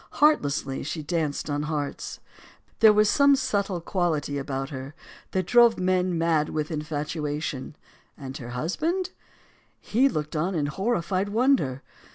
Heartlessly, she danced on hearts. There was some subtle quality about her that drove men mad with infatuation. And her husband? He looked on in horrified wonder.